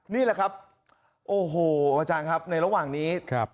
นี่แหละครับโอ้โหอาจารย์ครับในระหว่างนี้